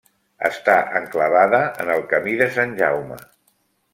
Està enclavada en el Camí de Sant Jaume.